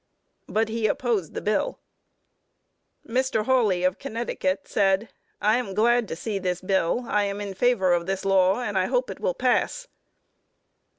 But he opposed the bill! Mr. Hawley, of Connecticut, said: "I am glad to see this bill. I am in favor of this law, and hope it will pass."